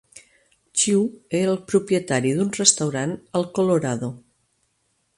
Chiu era el propietari d'un restaurant al Colorado.